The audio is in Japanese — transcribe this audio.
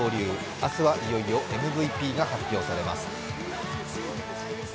明日はいよいよＭＶＰが発表されます。